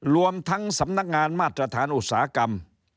รวมทั้งสำนักงานมาตรฐานอุตสาหกรรม